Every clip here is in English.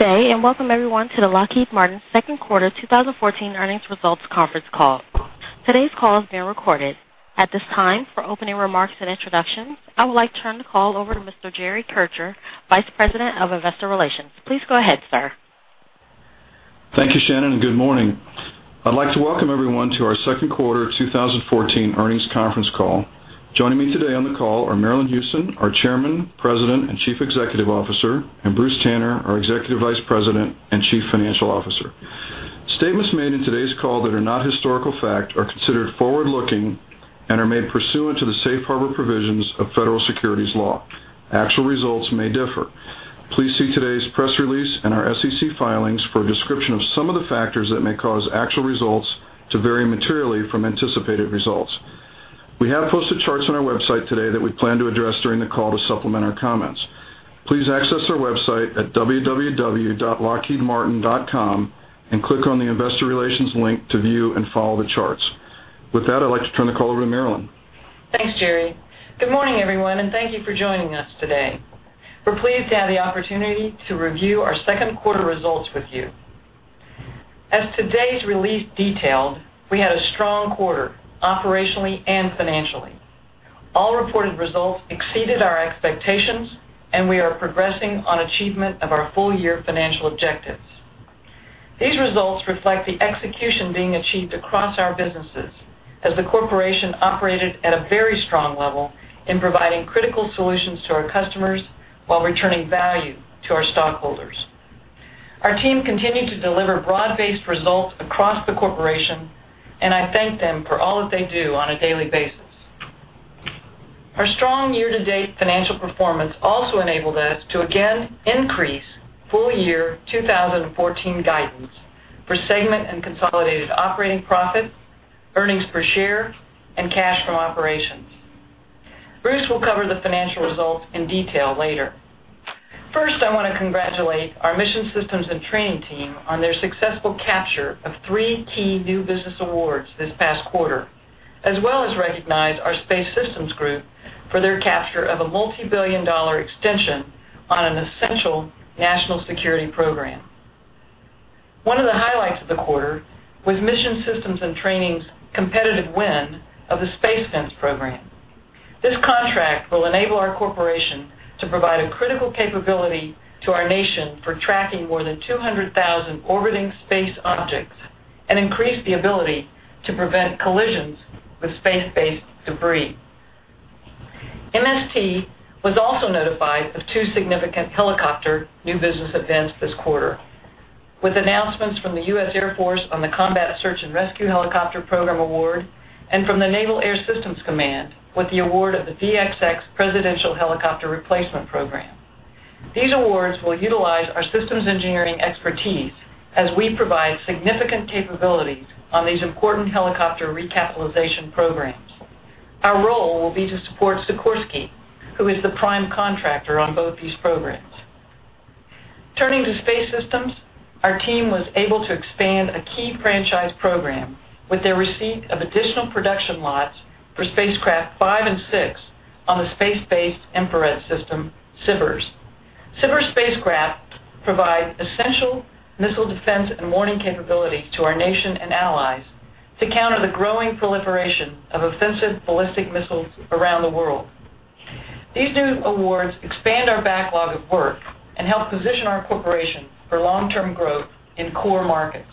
Good day. Welcome, everyone, to the Lockheed Martin second quarter 2014 earnings results conference call. Today's call is being recorded. At this time, for opening remarks and introductions, I would like to turn the call over to Mr. Jerry Kircher, Vice President of Investor Relations. Please go ahead, sir. Thank you, Shannon. Good morning. I'd like to welcome everyone to our second quarter 2014 earnings conference call. Joining me today on the call are Marillyn Hewson, our Chairman, President, and Chief Executive Officer, and Bruce Tanner, our Executive Vice President and Chief Financial Officer. Statements made in today's call that are not historical fact are considered forward-looking and are made pursuant to the safe harbor provisions of federal securities law. Actual results may differ. Please see today's press release and our SEC filings for a description of some of the factors that may cause actual results to vary materially from anticipated results. We have posted charts on our website today that we plan to address during the call to supplement our comments. Please access our website at www.lockheedmartin.com and click on the Investor Relations link to view and follow the charts. With that, I'd like to turn the call over to Marillyn. Thanks, Jerry. Good morning, everyone. Thank you for joining us today. We're pleased to have the opportunity to review our second quarter results with you. As today's release detailed, we had a strong quarter operationally and financially. All reported results exceeded our expectations, and we are progressing on achievement of our full-year financial objectives. These results reflect the execution being achieved across our businesses as the corporation operated at a very strong level in providing critical solutions to our customers while returning value to our stockholders. Our team continued to deliver broad-based results across the corporation, and I thank them for all that they do on a daily basis. Our strong year-to-date financial performance also enabled us to again increase full-year 2014 guidance for segment and consolidated operating profit, earnings per share, and cash from operations. Bruce will cover the financial results in detail later. First, I want to congratulate our Mission Systems and Training team on their successful capture of three key new business awards this past quarter, as well as recognize our Space Systems group for their capture of a multibillion-dollar extension on an essential national security program. One of the highlights of the quarter was Mission Systems and Training's competitive win of the Space Fence program. This contract will enable our corporation to provide a critical capability to our nation for tracking more than 200,000 orbiting space objects and increase the ability to prevent collisions with space-based debris. MST was also notified of two significant helicopter new business events this quarter, with announcements from the U.S. Air Force on the Combat Search and Rescue Helicopter program award and from the Naval Air Systems Command with the award of the VXX Presidential Helicopter Replacement program. These awards will utilize our systems engineering expertise as we provide significant capabilities on these important helicopter recapitalization programs. Our role will be to support Sikorsky, who is the prime contractor on both these programs. Turning to Space Systems, our team was able to expand a key franchise program with their receipt of additional production lots for spacecraft five and six on the Space-Based Infrared System, SBIRS. SBIRS spacecraft provide essential missile defense and warning capabilities to our nation and allies to counter the growing proliferation of offensive ballistic missiles around the world. These new awards expand our backlog of work and help position our corporation for long-term growth in core markets.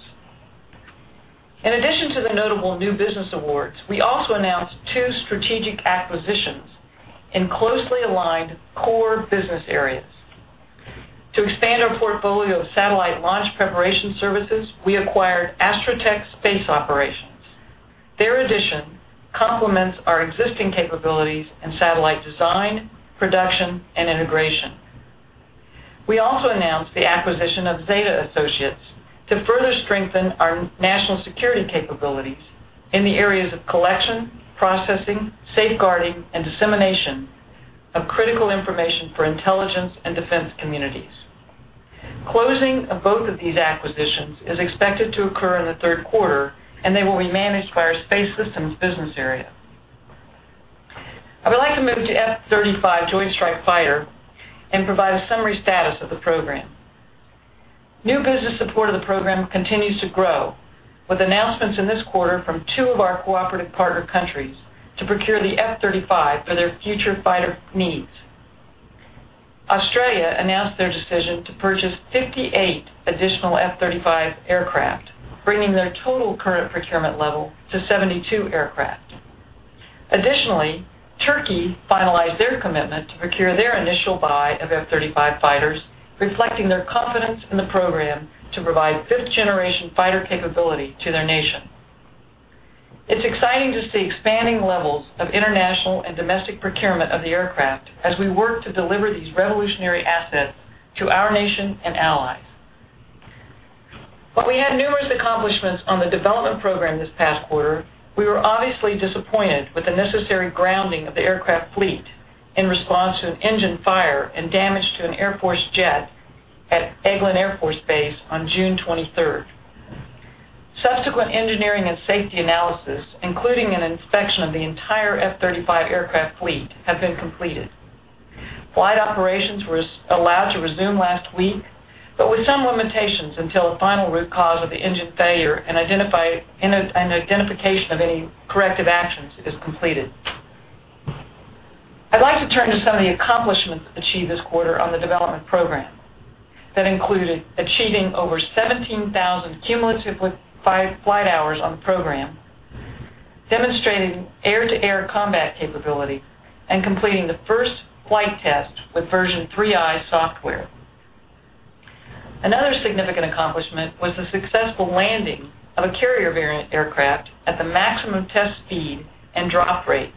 In addition to the notable new business awards, we also announced two strategic acquisitions in closely aligned core business areas. To expand our portfolio of satellite launch preparation services, we acquired Astrotech Space Operations. Their addition complements our existing capabilities in satellite design, production, and integration. We also announced the acquisition of Zeta Associates to further strengthen our national security capabilities in the areas of collection, processing, safeguarding, and dissemination of critical information for intelligence and defense communities. Closing of both of these acquisitions is expected to occur in the third quarter, and they will be managed by our Space Systems business area. I would like to move to F-35 Joint Strike Fighter and provide a summary status of the program. New business support of the program continues to grow, with announcements in this quarter from two of our cooperative partner countries to procure the F-35 for their future fighter needs. Australia announced their decision to purchase 58 additional F-35 aircraft, bringing their total current procurement level to 72 aircraft. Turkey finalized their commitment to procure their initial buy of F-35 fighters, reflecting their confidence in the program to provide fifth-generation fighter capability to their nation. It's exciting to see expanding levels of international and domestic procurement of the aircraft as we work to deliver these revolutionary assets to our nation and allies. While we had numerous accomplishments on the development program this past quarter, we were obviously disappointed with the necessary grounding of the aircraft fleet in response to an engine fire and damage to an Air Force jet at Eglin Air Force Base on June 23rd. Subsequent engineering and safety analysis, including an inspection of the entire F-35 aircraft fleet, have been completed. Flight operations were allowed to resume last week, with some limitations until a final root cause of the engine failure and identification of any corrective actions is completed. I'd like to turn to some of the accomplishments achieved this quarter on the development program. That included achieving over 17,000 cumulative flight hours on the program, demonstrating air-to-air combat capability, and completing the first flight test with version 3I software. Another significant accomplishment was the successful landing of a carrier variant aircraft at the maximum test speed and drop rate.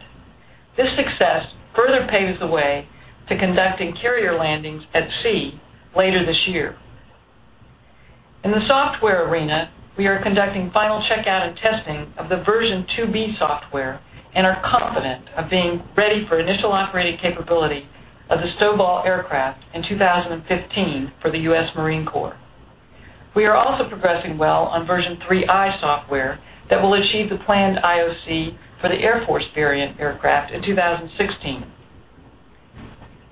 This success further paves the way to conducting carrier landings at sea later this year. In the software arena, we are conducting final checkout and testing of the version 2B software and are confident of being ready for initial operating capability of the STOVL aircraft in 2015 for the U.S. Marine Corps. We are also progressing well on version 3I software that will achieve the planned IOC for the Air Force variant aircraft in 2016.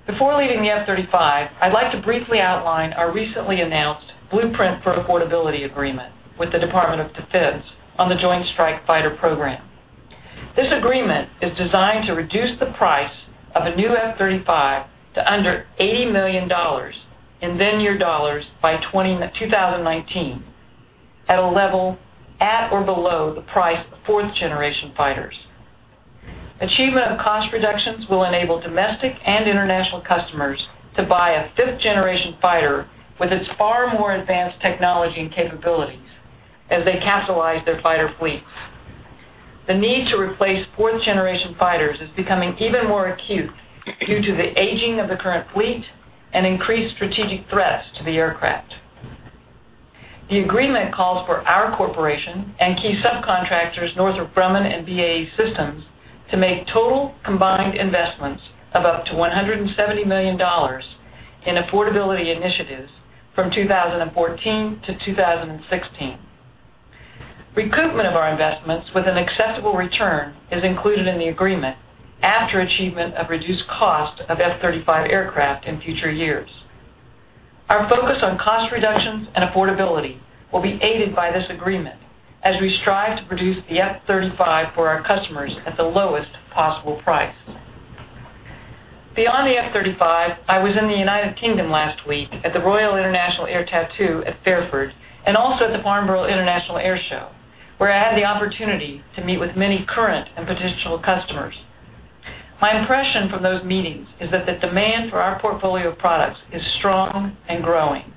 Before leaving the F-35, I'd like to briefly outline our recently announced Blueprint for Affordability agreement with the Department of Defense on the Joint Strike Fighter program. This agreement is designed to reduce the price of a new F-35 to under $80 million in then-year dollars by 2019 at a level at or below the price of fourth-generation fighters. Achievement of cost reductions will enable domestic and international customers to buy a fifth-generation fighter with its far more advanced technology and capabilities as they capitalize their fighter fleets. The need to replace fourth-generation fighters is becoming even more acute due to the aging of the current fleet and increased strategic threats to the aircraft. The agreement calls for our corporation and key subcontractors, Northrop Grumman and BAE Systems, to make total combined investments of up to $170 million in affordability initiatives from 2014 to 2016. Recruitment of our investments with an acceptable return is included in the agreement after achievement of reduced cost of F-35 aircraft in future years. Our focus on cost reductions and affordability will be aided by this agreement as we strive to produce the F-35 for our customers at the lowest possible price. Beyond the F-35, I was in the United Kingdom last week at the Royal International Air Tattoo at Fairford, and also at the Farnborough International Airshow, where I had the opportunity to meet with many current and potential customers. My impression from those meetings is that the demand for our portfolio of products is strong and growing.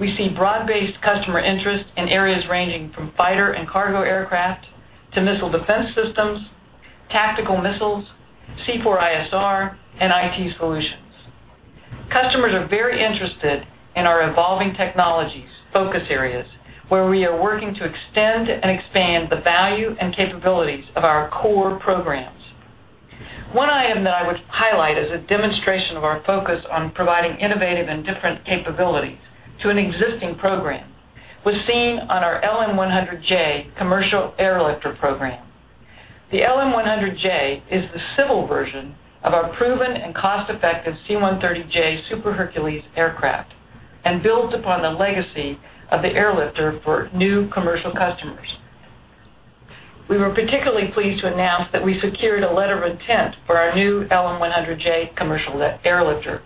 We see broad-based customer interest in areas ranging from fighter and cargo aircraft to missile defense systems, tactical missiles, C4ISR, and IT solutions. Customers are very interested in our evolving technologies focus areas, where we are working to extend and expand the value and capabilities of our core programs. One item that I would highlight as a demonstration of our focus on providing innovative and different capabilities to an existing program was seen on our LM-100J commercial air lifter program. The LM-100J is the civil version of our proven and cost-effective C-130J Super Hercules aircraft and builds upon the legacy of the airlifter for new commercial customers. We were particularly pleased to announce that we secured a letter of intent for our new LM-100J commercial airlifter.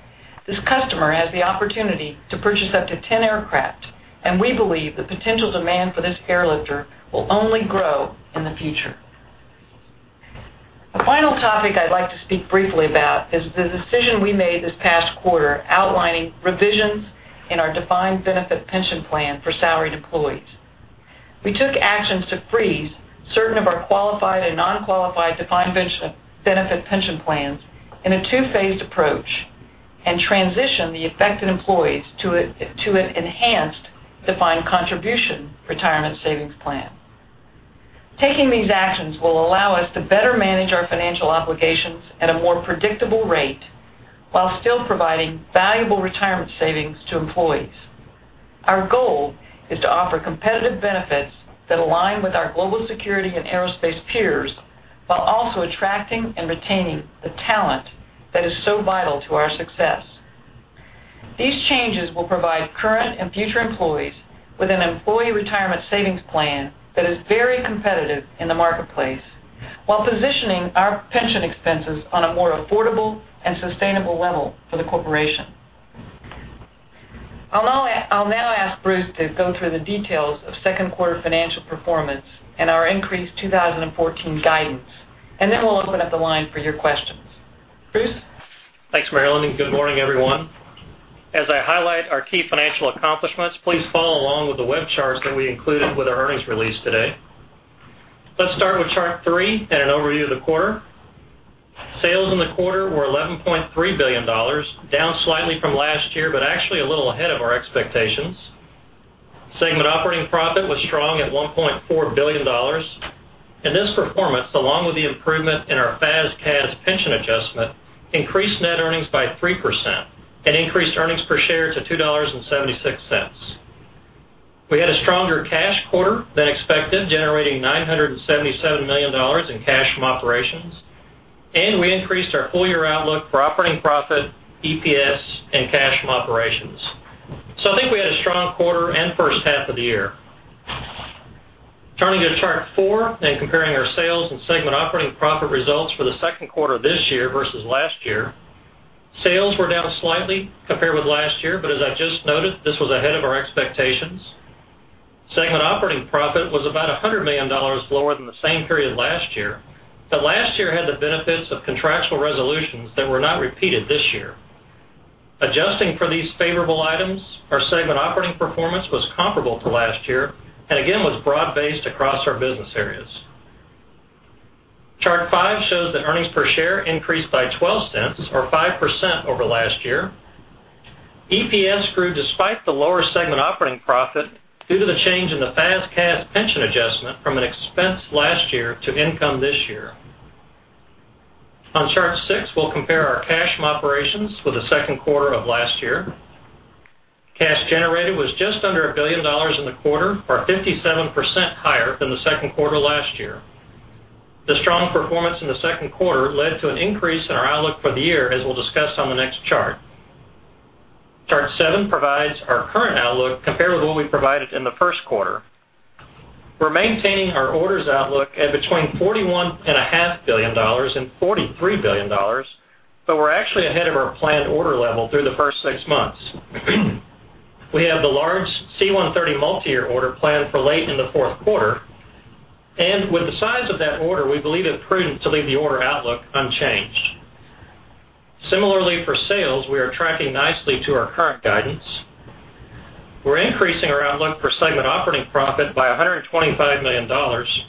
This customer has the opportunity to purchase up to 10 aircraft, and we believe the potential demand for this airlifter will only grow in the future. The final topic I'd like to speak briefly about is the decision we made this past quarter outlining revisions in our defined benefit pension plan for salaried employees. We took actions to freeze certain of our qualified and non-qualified defined benefit pension plans in a two-phased approach and transition the affected employees to an enhanced defined contribution retirement savings plan. Taking these actions will allow us to better manage our financial obligations at a more predictable rate, while still providing valuable retirement savings to employees. Our goal is to offer competitive benefits that align with our global security and aerospace peers, while also attracting and retaining the talent that is so vital to our success. These changes will provide current and future employees with an employee retirement savings plan that is very competitive in the marketplace while positioning our pension expenses on a more affordable and sustainable level for the corporation. I'll now ask Bruce to go through the details of second quarter financial performance and our increased 2014 guidance. Then we'll open up the line for your questions. Bruce? Thanks, Marillyn, good morning, everyone. As I highlight our key financial accomplishments, please follow along with the web charts that we included with our earnings release today. Let's start with chart three and an overview of the quarter. Sales in the quarter were $11.3 billion, down slightly from last year, but actually a little ahead of our expectations. Segment operating profit was strong at $1.4 billion. This performance, along with the improvement in our FAS/CAS pension adjustment, increased net earnings by 3% and increased earnings per share to $2.76. We had a stronger cash quarter than expected, generating $977 million in cash from operations. We increased our full-year outlook for operating profit, EPS, and cash from operations. I think we had a strong quarter and first half of the year. Turning to Chart Four and comparing our sales and segment operating profit results for the second quarter of this year versus last year, sales were down slightly compared with last year, but as I just noted, this was ahead of our expectations. Segment operating profit was about $100 million lower than the same period last year, but last year had the benefits of contractual resolutions that were not repeated this year. Adjusting for these favorable items, our segment operating performance was comparable to last year. Again, was broad-based across our business areas. Chart Five shows that earnings per share increased by $0.12 or 5% over last year. EPS grew despite the lower segment operating profit due to the change in the FAS/CAS pension adjustment from an expense last year to income this year. On Chart Six, we'll compare our cash from operations with the second quarter of last year. Cash generated was just under $1 billion in the quarter, or 57% higher than the second quarter last year. The strong performance in the second quarter led to an increase in our outlook for the year, as we'll discuss on the next chart. Chart Seven provides our current outlook compared with what we provided in the first quarter. We're maintaining our orders outlook at between $41.5 billion and $43 billion, but we're actually ahead of our planned order level through the first six months. We have the large C-130 multiyear order planned for late in the fourth quarter, and with the size of that order, we believe it's prudent to leave the order outlook unchanged. Similarly, for sales, we are tracking nicely to our current guidance. We're increasing our outlook for segment operating profit by $125 million,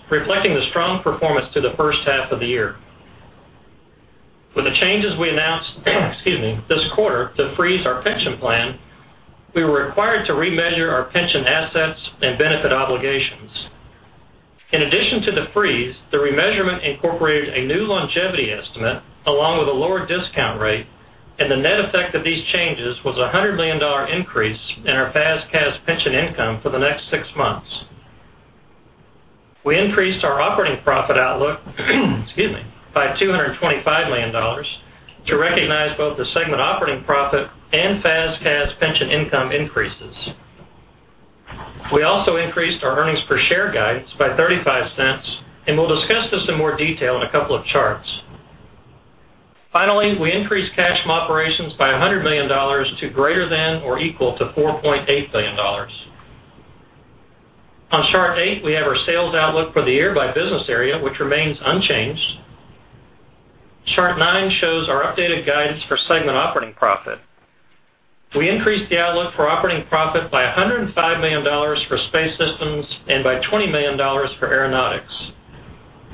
reflecting the strong performance through the first half of the year. With the changes we announced this quarter to freeze our pension plan, we were required to remeasure our pension assets and benefit obligations. In addition to the freeze, the remeasurement incorporated a new longevity estimate along with a lower discount rate, and the net effect of these changes was $100 million increase in our FAS/CAS pension income for the next six months. We increased our operating profit outlook by $225 million to recognize both the segment operating profit and FAS/CAS pension income increases. We also increased our earnings per share guidance by $0.35, and we'll discuss this in more detail in a couple of charts. Finally, we increased cash from operations by $100 million to greater than or equal to $4.8 billion. On Chart Eight, we have our sales outlook for the year by business area, which remains unchanged. Chart Nine shows our updated guidance for segment operating profit. We increased the outlook for operating profit by $105 million for Space Systems and by $20 million for Aeronautics.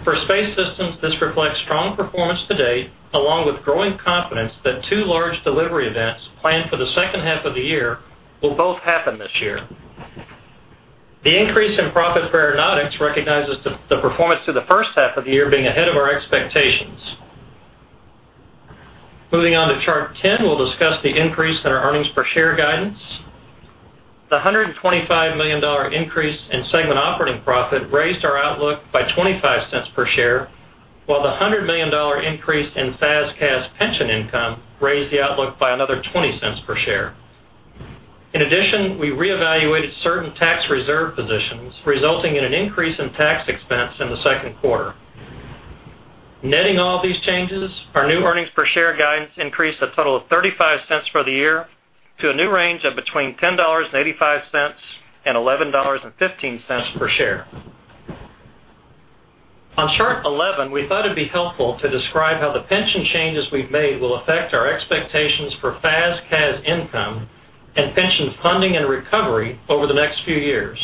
For Space Systems, this reflects strong performance to date, along with growing confidence that two large delivery events planned for the second half of the year will both happen this year. The increase in profit for Aeronautics recognizes the performance through the first half of the year being ahead of our expectations. Moving on to Chart 10, we'll discuss the increase in our earnings per share guidance. The $125 million increase in segment operating profit raised our outlook by $0.25 per share, while the $100 million increase in FAS/CAS pension income raised the outlook by another $0.20 per share. In addition, we reevaluated certain tax reserve positions, resulting in an increase in tax expense in the second quarter. Netting all these changes, our new earnings per share guidance increased a total of $0.35 for the year to a new range of between $10.85 and $11.15 per share. On Chart 11, we thought it'd be helpful to describe how the pension changes we've made will affect our expectations for FAS/CAS income and pension funding and recovery over the next few years.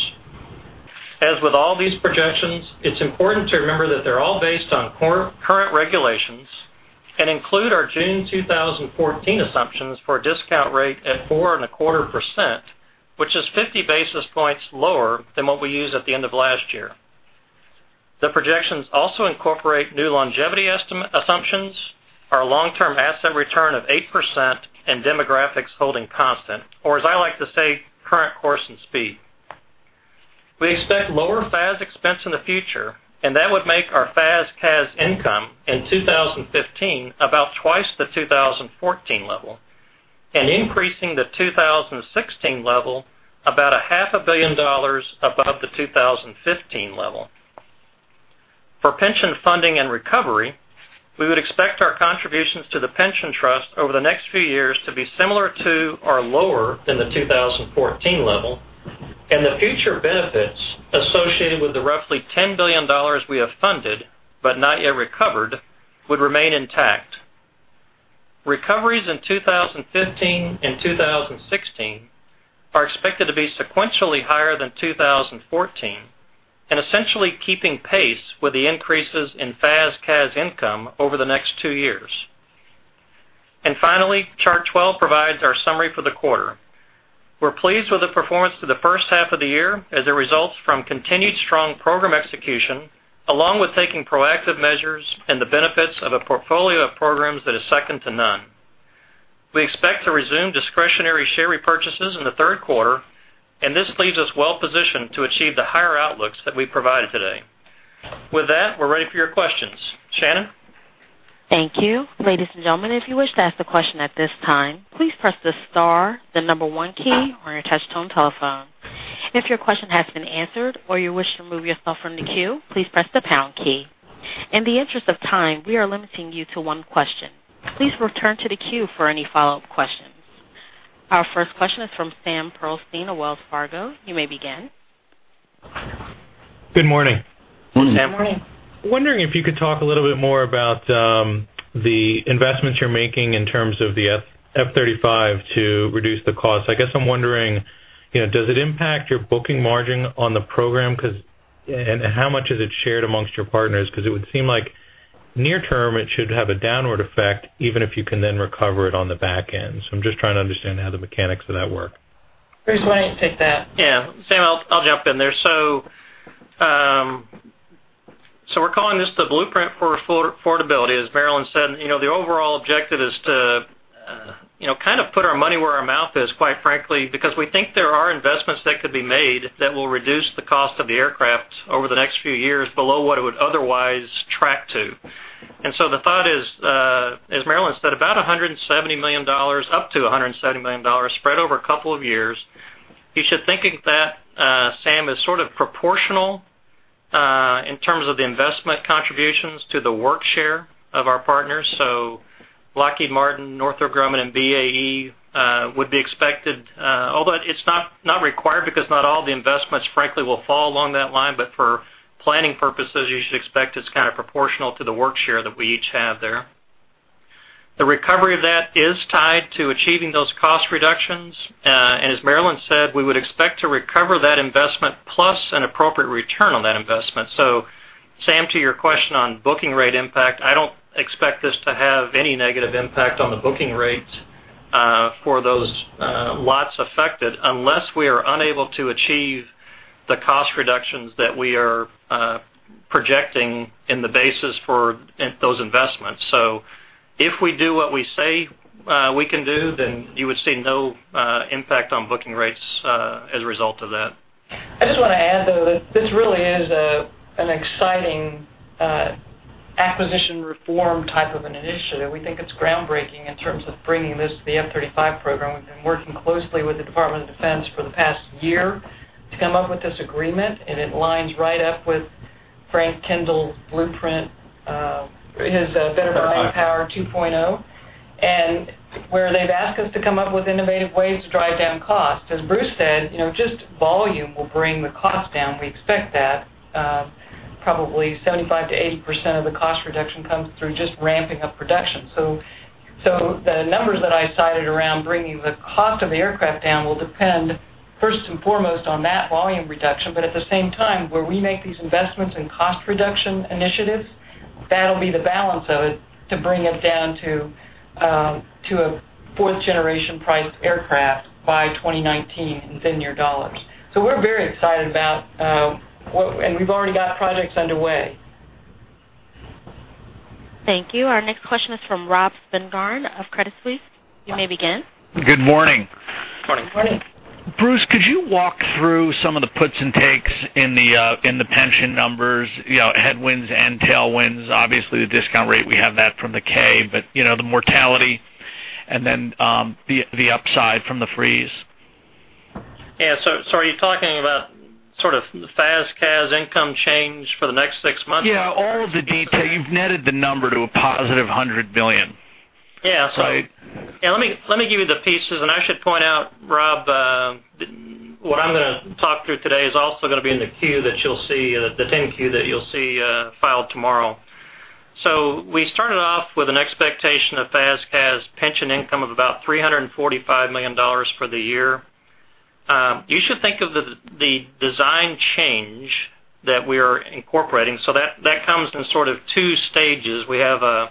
As with all these projections, it's important to remember that they're all based on current regulations and include our June 2014 assumptions for a discount rate at 4.25%, which is 50 basis points lower than what we used at the end of last year. The projections also incorporate new longevity assumptions, our long-term asset return of 8%, and demographics holding constant. As I like to say, current course and speed. We expect lower FAS expense in the future, that would make our FAS/CAS income in 2015 about twice the 2014 level and increasing the 2016 level about a half a billion dollars above the 2015 level. For pension funding and recovery, we would expect our contributions to the pension trust over the next few years to be similar to or lower than the 2014 level, and the future benefits associated with the roughly $10 billion we have funded, but not yet recovered, would remain intact. Recoveries in 2015 and 2016 are expected to be sequentially higher than 2014 and essentially keeping pace with the increases in FAS/CAS income over the next two years. Finally, chart 12 provides our summary for the quarter. We're pleased with the performance through the first half of the year as it results from continued strong program execution, along with taking proactive measures and the benefits of a portfolio of programs that is second to none. We expect to resume discretionary share repurchases in the third quarter, this leaves us well positioned to achieve the higher outlooks that we provided today. With that, we're ready for your questions. Shannon? Thank you. Ladies and gentlemen, if you wish to ask a question at this time, please press the star, the number one key on your touch-tone telephone. If your question has been answered or you wish to remove yourself from the queue, please press the pound key. In the interest of time, we are limiting you to one question. Please return to the queue for any follow-up questions. Our first question is from Sam Pearlstein of Wells Fargo. You may begin. Good morning. Morning. Good morning. Wondering if you could talk a little bit more about the investments you're making in terms of the F-35 to reduce the cost. I guess I'm wondering, does it impact your booking margin on the program? How much is it shared amongst your partners? It would seem like near-term it should have a downward effect, even if you can then recover it on the back-end. I'm just trying to understand how the mechanics of that work. Bruce, why don't you take that? Yeah. Sam, I'll jump in there. We're calling this the Blueprint for Affordability. As Marillyn said, the overall objective is to kind of put our money where our mouth is, quite frankly, because we think there are investments that could be made that will reduce the cost of the aircraft over the next few years below what it would otherwise track to. The thought is, as Marillyn said, up to $170 million spread over a couple of years. You should think of that, Sam, as sort of proportional, in terms of the investment contributions to the workshare of our partners. Lockheed Martin, Northrop Grumman, and BAE would be expected, although it's not required because not all the investments, frankly, will fall along that line, but for planning purposes, you should expect it's kind of proportional to the workshare that we each have there. The recovery of that is tied to achieving those cost reductions. As Marillyn said, we would expect to recover that investment plus an appropriate return on that investment. Sam, to your question on booking rate impact, I don't expect this to have any negative impact on the booking rates, for those lots affected, unless we are unable to achieve the cost reductions that we are projecting in the basis for those investments. If we do what we say we can do, then you would see no impact on booking rates as a result of that. I just want to add, though, that this really is an exciting acquisition reform type of an initiative. We think it's groundbreaking in terms of bringing this to the F-35 program. We've been working closely with the Department of Defense for the past year to come up with this agreement. It lines right up with Frank Kendall's Blueprint, his Better Buying Power 2.0, and where they've asked us to come up with innovative ways to drive down costs. As Bruce said, just volume will bring the cost down. We expect that probably 75%-80% of the cost reduction comes through just ramping up production. The numbers that I cited around bringing the cost of the aircraft down will depend first and foremost on that volume reduction. At the same time, where we make these investments in cost reduction initiatives, that'll be the balance of it to bring it down to a fourth-generation priced aircraft by 2019 in then-year dollars. We're very excited about. We've already got projects underway. Thank you. Our next question is from Rob Spingarn of Credit Suisse. You may begin. Good morning. Morning. Morning. Bruce, could you walk through some of the puts and takes in the pension numbers, headwinds and tailwinds? Obviously, the discount rate, we have that from the K, but the mortality and then the upside from the freeze? Yeah. Are you talking about sort of FAS/CAS income change for the next six months? Yeah, all of the detail. You've netted the number to a positive $100 million. Yeah. Right? Yeah, let me give you the pieces. I should point out, Rob, what I'm going to talk through today is also going to be in the Q that you'll see, the 10-Q that you'll see filed tomorrow. We started off with an expectation of FAS/CAS pension income of about $345 million for the year. You should think of the design change that we are incorporating. That comes in sort of 2 stages. We have a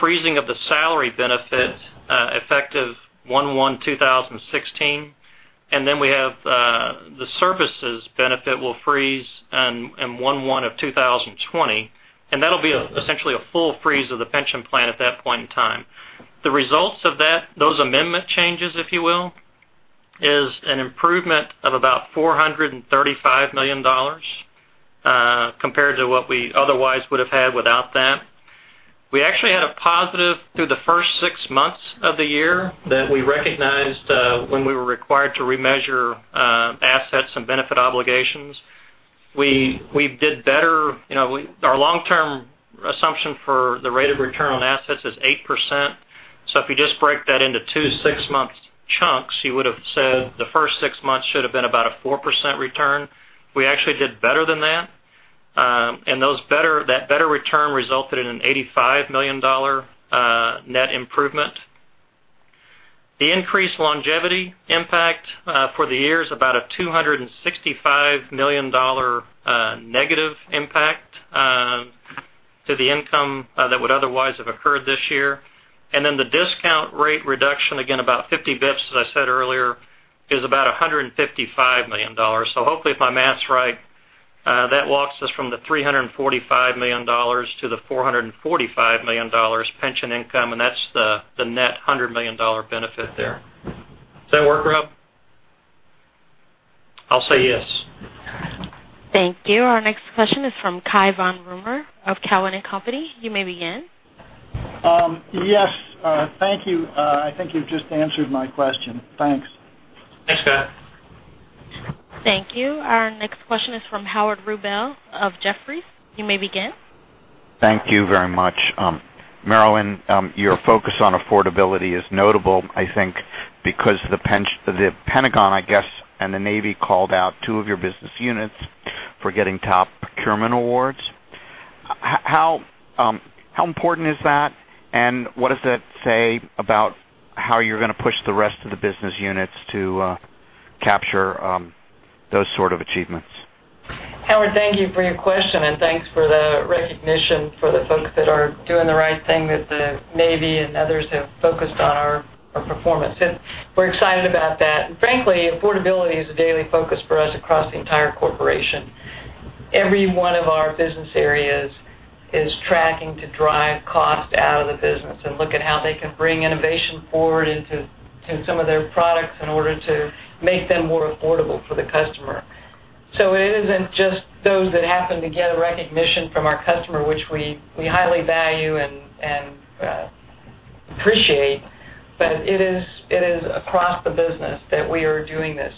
freezing of the salary benefit, effective 01/01/2016, and then we have the services benefit will freeze in 01/01/2020, and that'll be essentially a full freeze of the pension plan at that point in time. The results of those amendment changes, if you will, is an improvement of about $435 million, compared to what we otherwise would have had without that. We actually had a positive through the first six months of the year that we recognized when we were required to remeasure assets and benefit obligations. We did better. Our long-term assumption for the rate of return on assets is 8%. If you just break that into two six-month chunks, you would have said the first six months should have been about a 4% return. We actually did better than that. That better return resulted in an $85 million net improvement. The increased longevity impact for the year is about a $265 million negative impact to the income that would otherwise have occurred this year. The discount rate reduction, again, about 50 basis points, as I said earlier, is about $155 million. Hopefully if my math's right, that walks us from the $345 million to the $445 million pension income, and that's the net $100 million benefit there. Does that work, Rob? I'll say yes. Thank you. Our next question is from Cai von Rumohr of Cowen and Company. You may begin. Yes. Thank you. I think you've just answered my question. Thanks. Thanks, Cai. Thank you. Our next question is from Howard Rubel of Jefferies. You may begin. Thank you very much. Marillyn, your focus on affordability is notable, I think because the Pentagon, I guess, and the Navy called out two of your business units for getting top procurement awards. How important is that, and what does that say about how you're going to push the rest of the business units to capture those sort of achievements? Howard, thank you for your question, and thanks for the recognition for the folks that are doing the right thing that the Navy and others have focused on our performance. We're excited about that. Frankly, affordability is a daily focus for us across the entire corporation. Every one of our business areas is tracking to drive cost out of the business and look at how they can bring innovation forward into some of their products in order to make them more affordable for the customer. It isn't just those that happen to get a recognition from our customer, which we highly value and appreciate. It is across the business that we are doing this.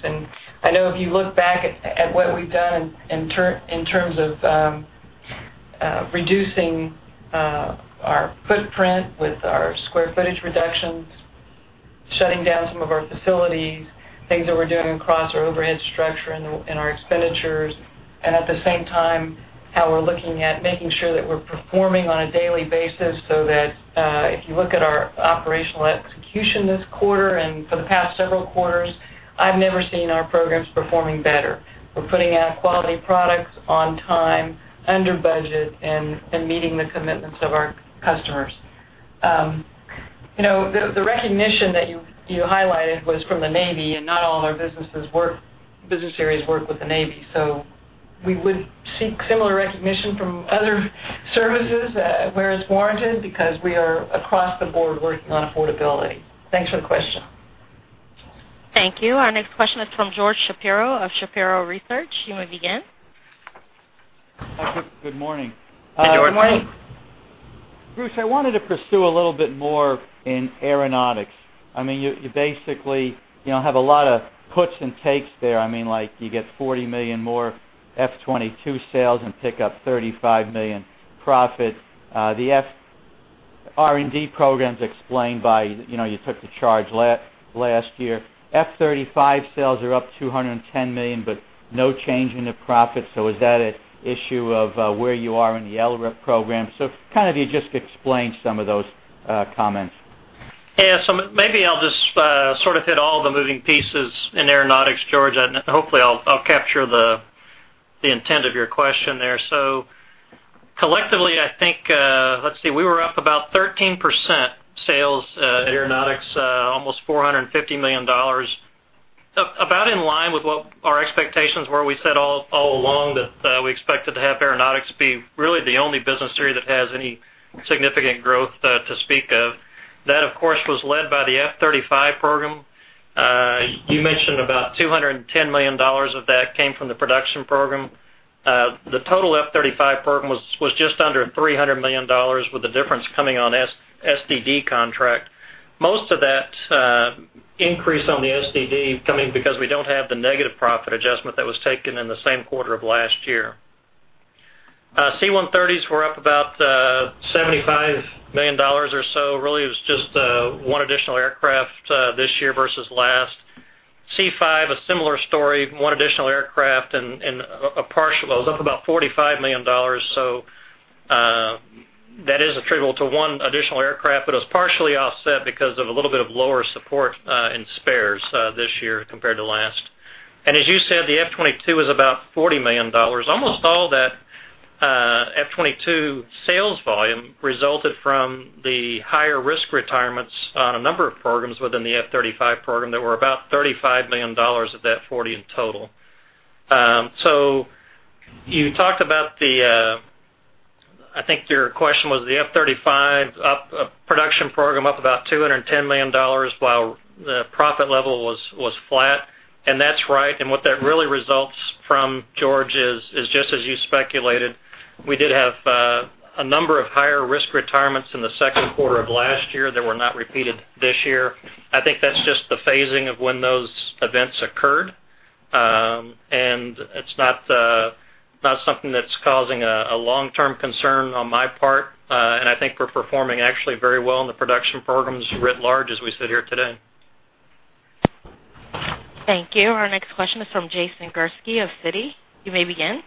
I know if you look back at what we've done in terms of reducing our footprint with our square footage reductions, shutting down some of our facilities, things that we're doing across our overhead structure and our expenditures, at the same time, how we're looking at making sure that we're performing on a daily basis so that, if you look at our operational execution this quarter and for the past several quarters, I've never seen our programs performing better. We're putting out quality products on time, under budget, and meeting the commitments of our customers. The recognition that you highlighted was from the Navy, and not all our business areas work with the Navy. We would seek similar recognition from other services, where it's warranted because we are across the board working on affordability. Thanks for the question. Thank you. Our next question is from George Shapiro of Shapiro Research. You may begin. Good morning. Hey, George. Good morning. Bruce, I wanted to pursue a little bit more in Aeronautics. You basically have a lot of puts and takes there. You get $40 million more F-22 sales and pick up $35 million profit. The R&D programs explained by, you took the charge last year. F-35 sales are up $210 million, but no change in the profit. Is that an issue of where you are in the LRIP program? Kind of you just explain some of those comments. Yeah. Maybe I'll just sort of hit all the moving pieces in Aeronautics, George, and hopefully I'll capture the intent of your question there. Collectively, I think, let's see, we were up about 13% sales at Aeronautics, almost $450 million. About in line with what our expectations were. We said all along that we expected to have Aeronautics be really the only business area that has any significant growth to speak of. That, of course, was led by the F-35 program. You mentioned about $210 million of that came from the production program. The total F-35 program was just under $300 million, with the difference coming on SDD contract. Most of that increase on the SDD coming because we don't have the negative profit adjustment that was taken in the same quarter of last year. C-130s were up about $75 million or so. Really, it was just one additional aircraft this year versus last. C-5, a similar story, one additional aircraft and a partial. It was up about $45 million. That is attributable to one additional aircraft, but it was partially offset because of a little bit of lower support in spares this year compared to last. As you said, the F-22 is about $40 million. Almost all that F-22 sales volume resulted from the higher risk retirements on a number of programs within the F-35 program that were about $35 million of that $40 in total. You talked about the, I think your question was the F-35 production program up about $210 million while the profit level was flat, and that's right. What that really results from, George, is just as you speculated, we did have a number of higher risk retirements in the second quarter of last year that were not repeated this year. I think that's just the phasing of when those events occurred. It's not something that's causing a long-term concern on my part. I think we're performing actually very well in the production programs writ large as we sit here today. Thank you. Our next question is from Jason Gursky of Citi. You may begin.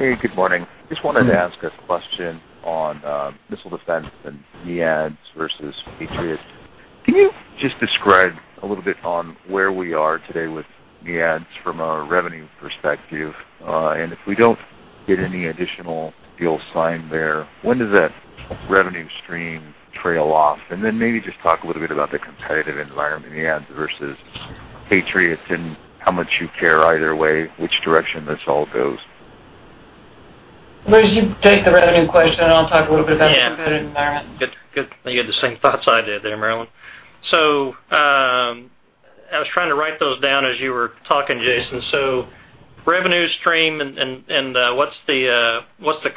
Hey, good morning. Just wanted to ask a question on missile defense and MEADS versus Patriot. Can you just describe a little bit on where we are today with MEADS from a revenue perspective? If we don't get any additional deals signed there, when does that revenue stream trail off? Then maybe just talk a little bit about the competitive environment, MEADS versus Patriot, and how much you care either way, which direction this all goes. Bruce, you take the revenue question, and I'll talk a little bit about the competitive environment. Good. You had the same thoughts I did there, Marillyn. I was trying to write those down as you were talking, Jason. Revenue stream and what's the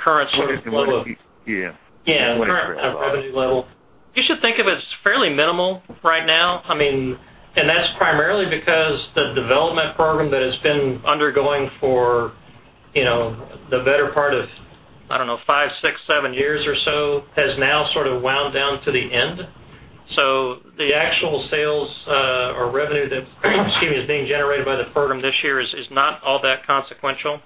current sort of flow of- What is the revenue piece? Yeah. Yeah. Current revenue level. You should think of it as fairly minimal right now. That's primarily because the development program that has been undergoing for the better part of, I don't know, five, six, seven years or so, has now sort of wound down to the end. The actual sales or revenue that, excuse me, is being generated by the program this year is not all that consequential.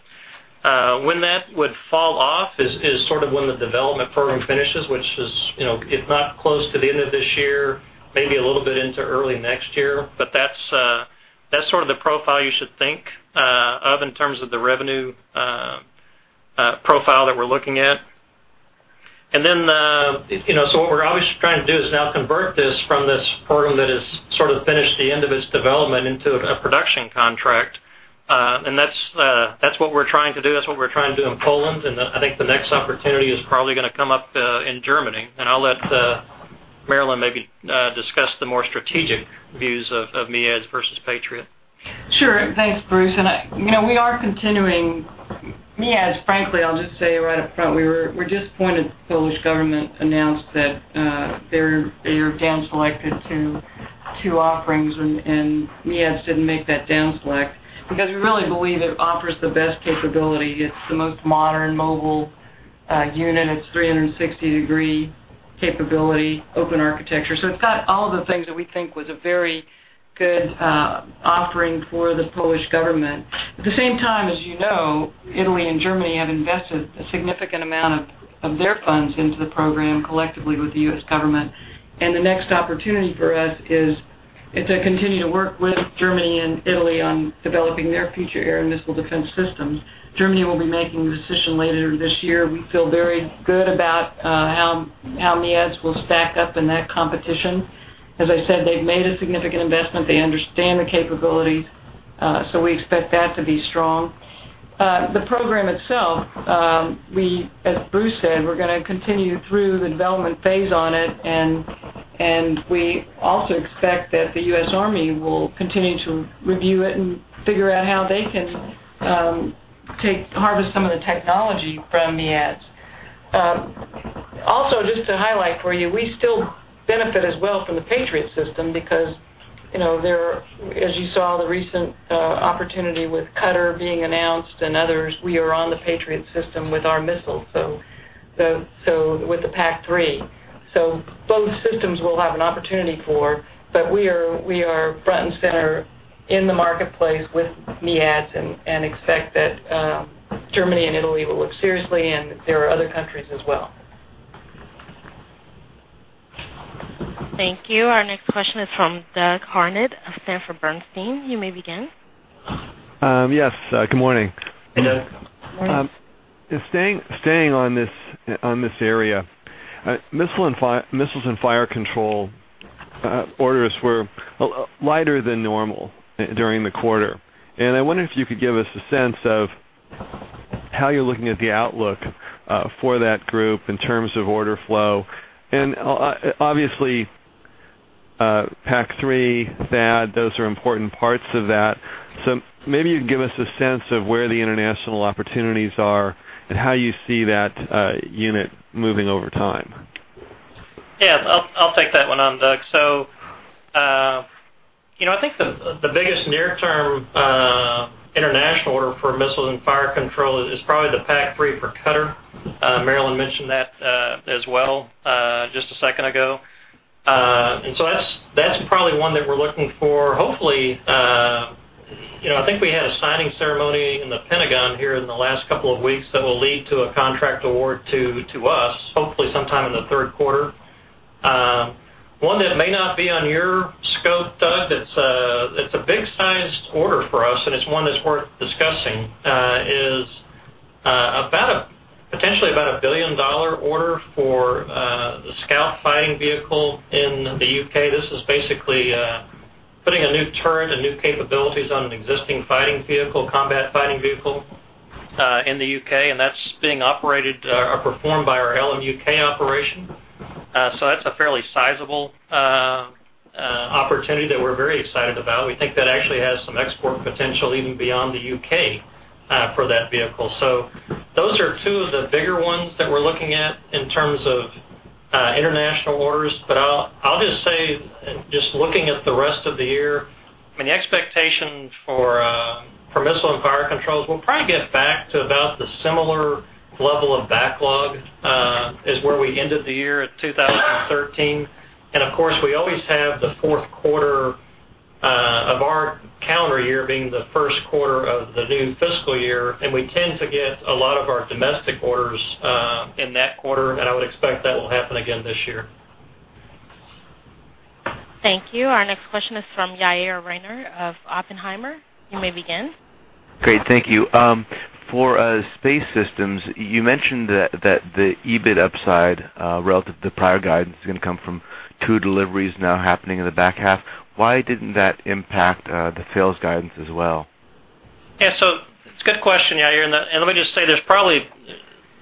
When that would fall off is sort of when the development program finishes, which is, if not close to the end of this year, maybe a little bit into early next year. That's sort of the profile you should think of in terms of the revenue profile that we're looking at. What we're obviously trying to do is now convert this from this program that has sort of finished the end of its development into a production contract. That's what we're trying to do. That's what we're trying to do in Poland, and I think the next opportunity is probably going to come up in Germany. I'll let Marillyn maybe discuss the more strategic views of MEADS versus Patriot. Sure. Thanks, Bruce. We are continuing MEADS. Frankly, I'll just say right up front, we're disappointed the Polish government announced that they have down selected to two offerings, and MEADS didn't make that down select. We really believe it offers the best capability. It's the most modern mobile unit. It's 360-degree capability, open architecture. It's got all the things that we think was a very good offering for the Polish government. At the same time, as you know, Italy and Germany have invested a significant amount of their funds into the program collectively with the U.S. government. The next opportunity for us is to continue to work with Germany and Italy on developing their future air and missile defense systems. Germany will be making a decision later this year. We feel very good about how MEADS will stack up in that competition. As I said, they've made a significant investment. They understand the capabilities. We expect that to be strong. The program itself, as Bruce said, we're going to continue through the development phase on it, and we also expect that the U.S. Army will continue to review it and figure out how they can harvest some of the technology from MEADS. Also, just to highlight for you, we still benefit as well from the Patriot system because, as you saw, the recent opportunity with Qatar being announced and others, we are on the Patriot system with our missiles, so with the PAC-3. Both systems we'll have an opportunity for, but we are front and center in the marketplace with MEADS and expect that Germany and Italy will look seriously, and there are other countries as well. Thank you. Our next question is from Doug Harned of Sanford Bernstein. You may begin. Yes, good morning. Hey, Doug. Morning. Staying on this area, missiles and fire control orders were lighter than normal during the quarter. I wonder if you could give us a sense of how you're looking at the outlook for that group in terms of order flow. Obviously, PAC-3, THAAD, those are important parts of that. Maybe you can give us a sense of where the international opportunities are and how you see that unit moving over time. Yeah, I'll take that one on, Doug. I think the biggest near-term international order for missiles and fire control is probably the PAC-3 for Qatar. Marillyn mentioned that as well just a second ago. That's probably one that we're looking for. Hopefully, I think we had a signing ceremony in the Pentagon here in the last couple of weeks that will lead to a contract award to us, hopefully sometime in the third quarter. One that may not be on your scope, Doug, that's a big-sized order for us, and it's one that's worth discussing, is potentially about a $1 billion order for the Scout Fighting Vehicle in the U.K. This is basically putting a new turret and new capabilities on an existing fighting vehicle, combat fighting vehicle, in the U.K., and that's being operated or performed by our LM U.K. operation. That's a fairly sizable opportunity that we're very excited about. We think that actually has some export potential even beyond the U.K. for that vehicle. Those are two of the bigger ones that we're looking at in terms of international orders. I'll just say, just looking at the rest of the year, the expectation for missile and fire controls, we'll probably get back to about the similar level of backlog is where we ended the year at 2013. Of course, we always have the fourth quarter of our calendar year being the first quarter of the new fiscal year, we tend to get a lot of our domestic orders in that quarter, I would expect that will happen again this year. Thank you. Our next question is from Yair Reiner of Oppenheimer. You may begin. Great. Thank you. For Space Systems, you mentioned that the EBIT upside relative to prior guidance is going to come from two deliveries now happening in the back half. Why didn't that impact the sales guidance as well? Yeah. It's a good question, Yair, let me just say, there's probably,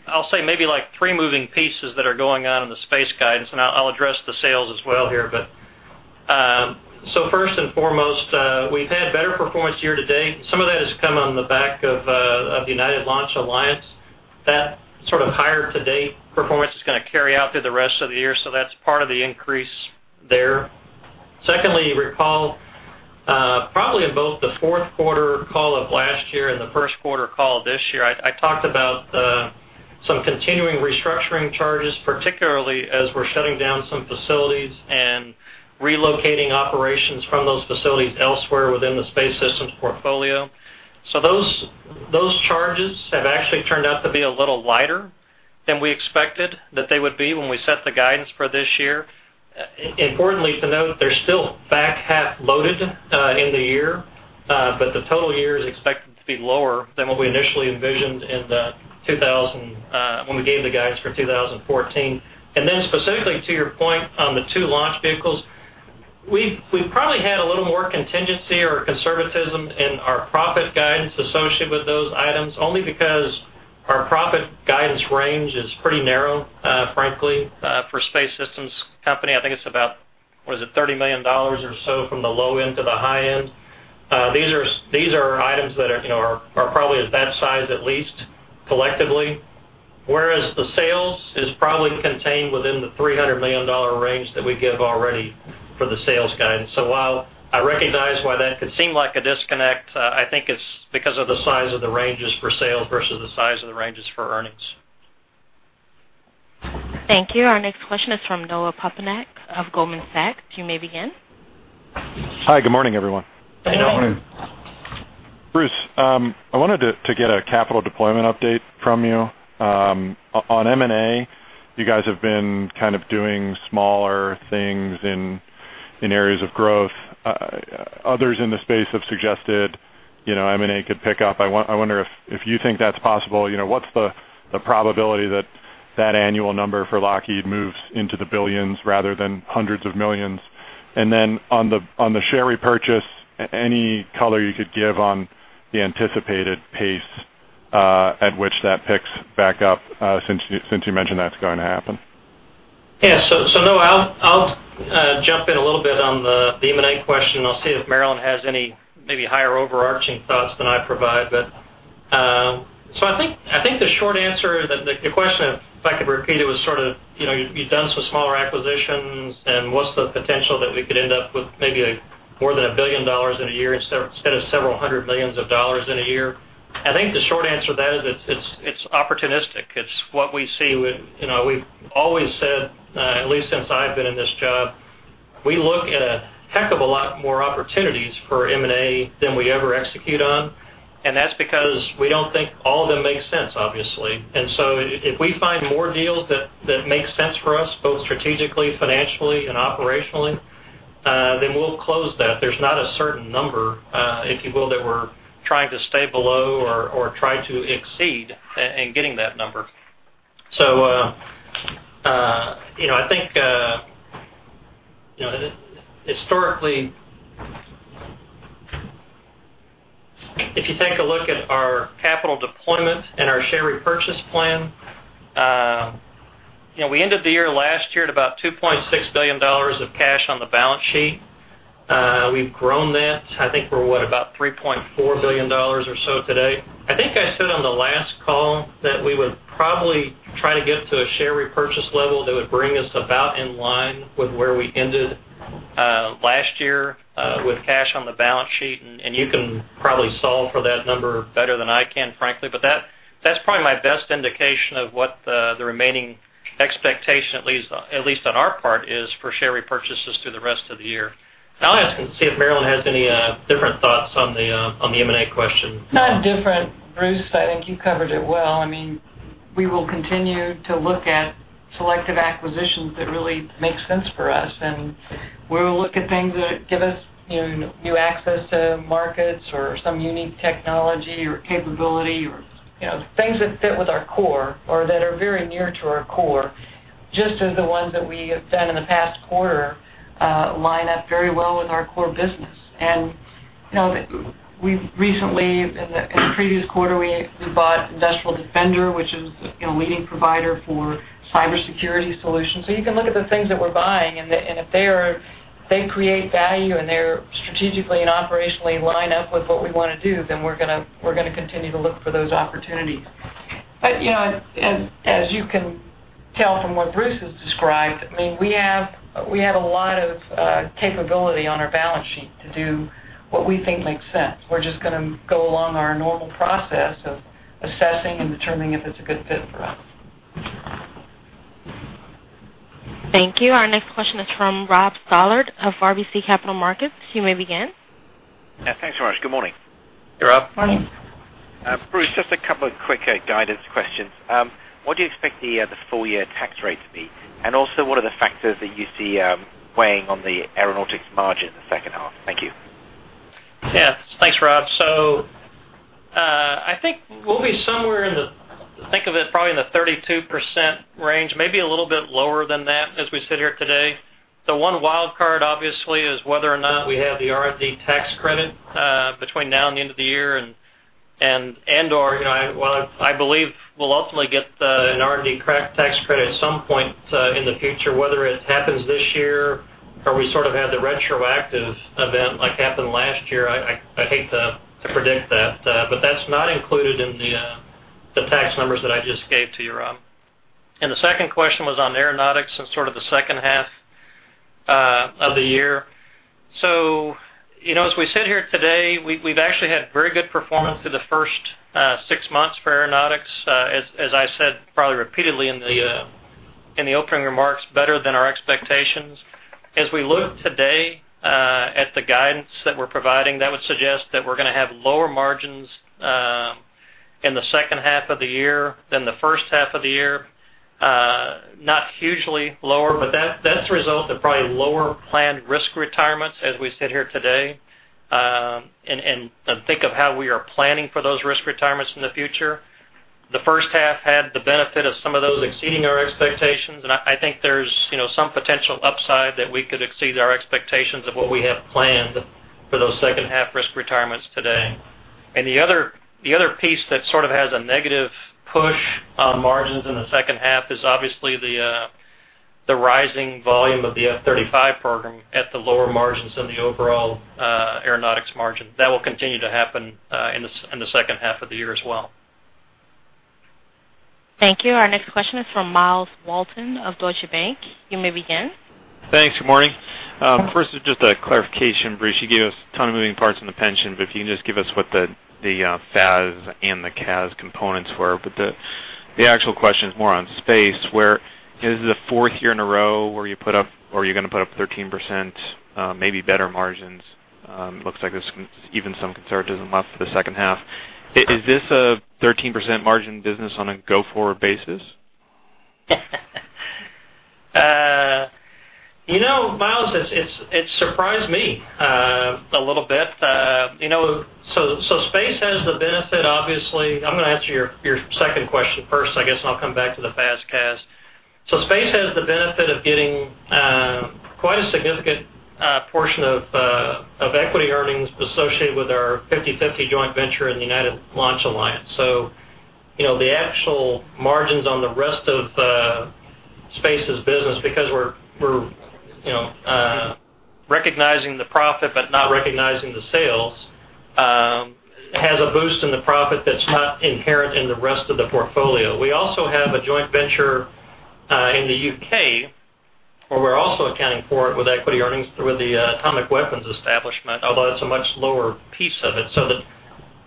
I'll say maybe three moving pieces that are going on in the Space guidance, I'll address the sales as well here. First and foremost, we've had better performance year-to-date. Some of that has come on the back of United Launch Alliance. That sort of higher to-date performance is going to carry out through the rest of the year. That's part of the increase there. Secondly, you recall, probably in both the fourth quarter call of last year and the first quarter call this year, I talked about some continuing restructuring charges, particularly as we're shutting down some facilities and relocating operations from those facilities elsewhere within the Space Systems portfolio. Those charges have actually turned out to be a little lighter than we expected that they would be when we set the guidance for this year. Importantly to note, they're still back-half loaded in the year. The total year is expected to be lower than what we initially envisioned when we gave the guidance for 2014. Specifically to your point on the two launch vehicles, we probably had a little more contingency or conservatism in our profit guidance associated with those items, only because our profit guidance range is pretty narrow, frankly, for Space Systems company. I think it's about, what is it, $30 million or so from the low end to the high end. These are items that are probably of that size at least collectively. Whereas the sales is probably contained within the $300 million range that we give already for the sales guidance. While I recognize why that could seem like a disconnect, I think it's because of the size of the ranges for sales versus the size of the ranges for earnings. Thank you. Our next question is from Noah Poponak of Goldman Sachs. You may begin. Hi, good morning, everyone. Good morning. Good morning. Bruce, I wanted to get a capital deployment update from you. On M&A, you guys have been kind of doing smaller things in areas of growth. Others in the space have suggested M&A could pick up. I wonder if you think that's possible. What's the probability that that annual number for Lockheed moves into the billions rather than hundreds of millions? Then on the share repurchase, any color you could give on the anticipated pace at which that picks back up, since you mentioned that's going to happen. Yeah. Noah, I'll jump in a little bit on the M&A question. I'll see if Marillyn has any maybe higher overarching thoughts than I provide. I think the short answer, the question, if I could repeat it, was sort of, you've done some smaller acquisitions, and what's the potential that we could end up with maybe more than $1 billion in a year instead of several hundred millions of dollars in a year? I think the short answer to that is it's opportunistic. It's what we see. We've always said, at least since I've been in this job, we look at a heck of a lot more opportunities for M&A than we ever execute on. That's because we don't think all of them make sense, obviously. If we find more deals that make sense for us, both strategically, financially, and operationally, then we'll close that. There's not a certain number, if you will, that we're trying to stay below or trying to exceed in getting that number. I think historically, if you take a look at our capital deployment and our share repurchase plan, we ended the year last year at about $2.6 billion of cash on the balance sheet. We've grown that. I think we're, what, about $3.4 billion or so today. I think I said on the last call that we would probably try to get to a share repurchase level that would bring us about in line with where we ended last year with cash on the balance sheet. You can probably solve for that number better than I can, frankly. That's probably my best indication of what the remaining expectation, at least on our part, is for share repurchases through the rest of the year. I'll ask and see if Marillyn has any different thoughts on the M&A question. Not different, Bruce. I think you covered it well. We will continue to look at selective acquisitions that really make sense for us, and we will look at things that give us new access to markets or some unique technology or capability or things that fit with our core or that are very near to our core, just as the ones that we have done in the past quarter line up very well with our core business. We recently, in the previous quarter, we bought Industrial Defender, which is a leading provider for cybersecurity solutions. You can look at the things that we're buying, and if they create value and they strategically and operationally line up with what we want to do, then we're going to continue to look for those opportunities. As you can tell from what Bruce has described, we have a lot of capability on our balance sheet to do what we think makes sense. We're just going to go along our normal process of assessing and determining if it's a good fit for us. Thank you. Our next question is from Robert Stallard of RBC Capital Markets. You may begin. Yeah. Thanks very much. Good morning. Hey, Rob. Morning. Bruce, just a couple of quick guidance questions. What do you expect the full year tax rate to be? Also, what are the factors that you see weighing on the Aeronautics margin in the second half? Thank you. Yeah. Thanks, Rob. I think we'll be somewhere in the 32% range, maybe a little bit lower than that as we sit here today. The one wild card, obviously, is whether or not we have the R&D tax credit, between now and the end of the year, and/or, while I believe we'll ultimately get an R&D tax credit at some point in the future, whether it happens this year or we sort of have the retroactive event like happened last year, I hate to predict that. That's not included in the tax numbers that I just gave to you, Rob. The second question was on Aeronautics and sort of the second half of the year. As we sit here today, we've actually had very good performance through the first six months for Aeronautics. As I said, probably repeatedly in the opening remarks, better than our expectations. As we look today, at the guidance that we're providing, that would suggest that we're going to have lower margins in the second half of the year than the first half of the year. Not hugely lower, but that's a result of probably lower planned risk retirements as we sit here today. Think of how we are planning for those risk retirements in the future. The first half had the benefit of some of those exceeding our expectations, and I think there's some potential upside that we could exceed our expectations of what we have planned for those second-half risk retirements today. The other piece that sort of has a negative push on margins in the second half is obviously the rising volume of the F-35 program at the lower margins in the overall Aeronautics margin. That will continue to happen in the second half of the year as well. Thank you. Our next question is from Myles Walton of Deutsche Bank. You may begin. Thanks. Good morning. First is just a clarification, Bruce. You gave us a ton of moving parts in the pension, but if you can just give us what the FAS and the CAS components were. The actual question is more on space, where this is the fourth year in a row where you're going to put up 13%, maybe better margins. Looks like there's even some conservatism left for the second half. Is this a 13% margin business on a go-forward basis? Myles, it surprised me a little bit. Space has the benefit, I'm going to answer your second question first, I guess, I'll come back to the FAS/CAS. Space has the benefit of getting quite a significant portion of equity earnings associated with our 50/50 joint venture in the United Launch Alliance. The actual margins on the rest of Space's business, because we're recognizing the profit but not recognizing the sales, has a boost in the profit that's not inherent in the rest of the portfolio. We also have a joint venture in the U.K., where we're also accounting for it with equity earnings through the Atomic Weapons Establishment, although that's a much lower piece of it.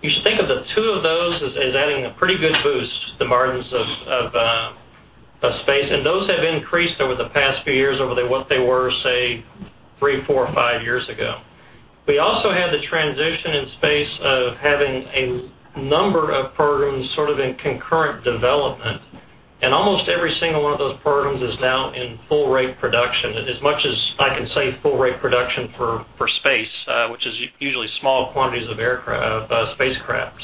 You should think of the two of those as adding a pretty good boost to the margins of Space. Those have increased over the past few years over what they were, say, three, four, or five years ago. We also had the transition in Space of having a number of programs sort of in concurrent development. Almost every single one of those programs is now in full rate production. As much as I can say full rate production for Space, which is usually small quantities of spacecraft.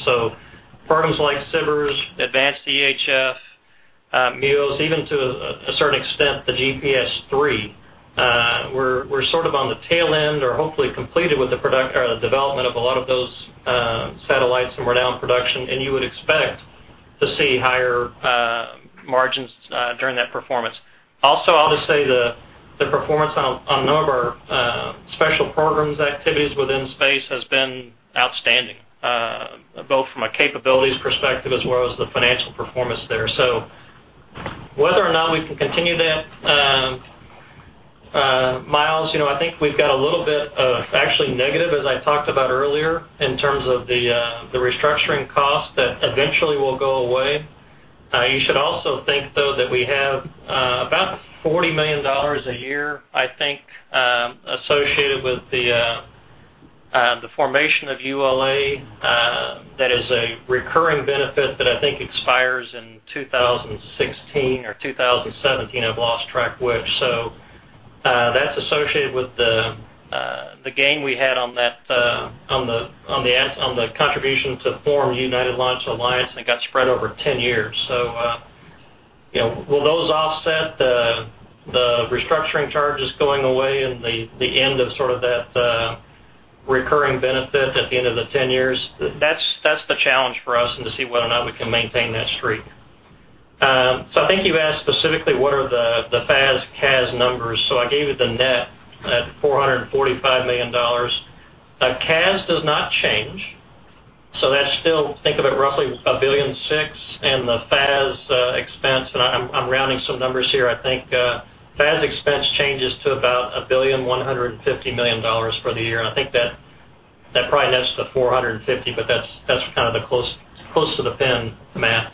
Programs like SBIRS, Advanced EHF, MUOS, even to a certain extent, the GPS III, we're sort of on the tail end or hopefully completed with the development of a lot of those satellites and we're now in production, you would expect to see higher margins during that performance. I'll just say the performance on a number of our special programs activities within Space has been outstanding, both from a capabilities perspective as well as the financial performance there. Whether or not we can continue that, Myles, I think we've got a little bit of actually negative, as I talked about earlier, in terms of the restructuring cost that eventually will go away. You should also think, though, that we have about $40 million a year, I think, associated with the formation of ULA. That is a recurring benefit that I think expires in 2016 or 2017. I've lost track which. That's associated with the gain we had on the contribution to form United Launch Alliance, and it got spread over 10 years. Will those offset the restructuring charges going away and the end of sort of that recurring benefit at the end of the 10 years? That's the challenge for us and to see whether or not we can maintain that streak. I think you asked specifically what are the FAS/CAS numbers. I gave you the net at $445 million. CAS does not change. That's still, think of it roughly, $1.6 billion, the FAS expense, I'm rounding some numbers here. I think FAS expense changes to about $1.15 billion for the year, I think that probably adds to the $450, but that's kind of close to the pin math.